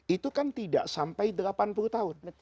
itu kan tidak sampai delapan puluh tahun